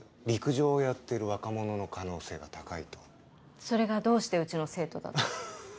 陸上をやってる若者の可能性が高いとそれがどうしてうちの生徒だと？